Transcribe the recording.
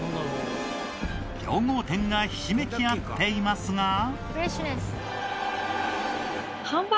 強豪店がひしめき合っていますが。